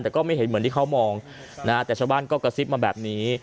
แต่ก็ไม่เห็นเหมือนที่เขามองนะฮะแต่ชาวบ้านก็กระซิบมาแบบนี้